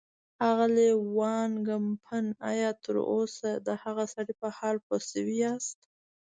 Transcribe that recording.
اغلې وان کمپن، ایا تراوسه د هغه سړي په حال پوه شوي یاست.